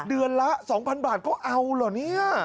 เดือนละ๒๐๐๐บาทเขาเอาหรือ